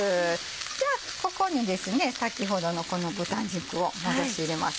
じゃあここに先ほどのこの豚肉を戻し入れますよ。